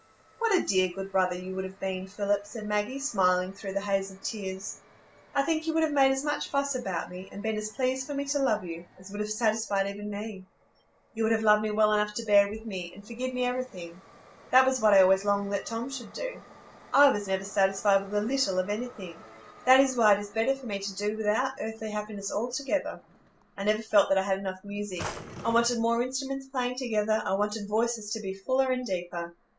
"What a dear, good brother you would have been, Philip," said Maggie, smiling through the haze of tears. "I think you would have made as much fuss about me, and been as pleased for me to love you, as would have satisfied even me. You would have loved me well enough to bear with me, and forgive me everything. That was what I always longed that Tom should do. I was never satisfied with a little of anything. That is why it is better for me to do without earthly happiness altogether. I never felt that I had enough music,—I wanted more instruments playing together; I wanted voices to be fuller and deeper.